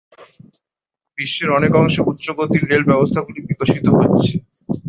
বিশ্বের অনেক অংশে উচ্চ গতির রেল ব্যবস্থাগুলি বিকশিত হচ্ছে।